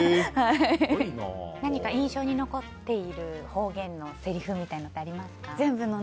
何か印象に残っている方言のせりふみたいなものはありますか。